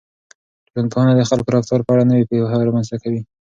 ټولنپوهنه د خلکو د رفتار په اړه نوې پوهه رامنځته کوي.